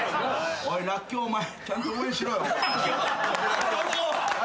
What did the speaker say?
「おいらっきょお前ちゃんと応援しろよ」